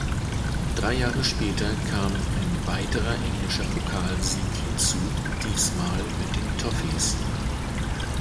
Drei Jahre später kam ein weiterer englischer Pokalsieg hinzu, diesmal mit den Toffees.